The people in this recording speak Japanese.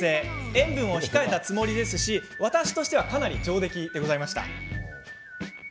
塩分を控えたつもりですし私としては、かなり上出来です。